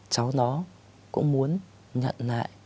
cháu nó cũng muốn nhận lại